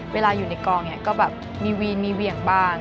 เวลาอยู่ในกองเนี่ยก็แบบมีวีนมีเหวี่ยงบ้าง